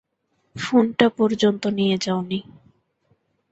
ফোনটা পর্যন্ত নিয়ে যাওনি।